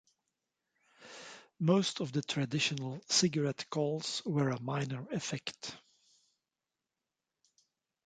Most of the traditional cigarette calls were a minor effect.